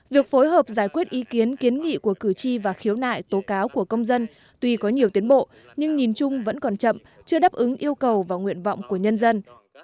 việc phối hợp giải quyết ý kiến kiến nghị của cử tri và khiếu nại tố cáo của công dân tuy có nhiều tiến bộ nhưng nhìn chung vẫn còn chậm chưa đáp ứng yêu cầu và nguyện vọng của nhân dân